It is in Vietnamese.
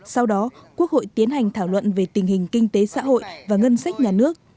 sau đó quốc hội tiến hành thảo luận về tình hình kinh tế xã hội và ngân sách nhà nước